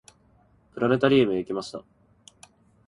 プラネタリウムへ行きました。